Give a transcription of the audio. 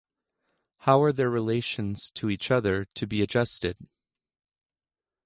How are their relations to each other to be adjusted?